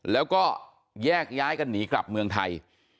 แล้วก็แยกย้ายกันหนีกลับเมืองไทย